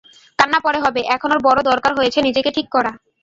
কান্না পরে হবে, এখন ওর বড়ো দরকার হয়েছে নিজেকে ঠিক করা।